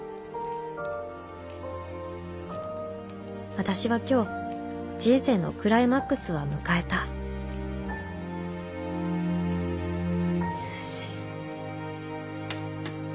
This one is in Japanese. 私は今日人生のクライマックスは迎えたよし。